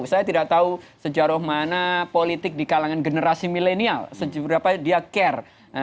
saya tidak tahu sejaroh mana politik di kalangan generasi milenial sejauh berapa dia care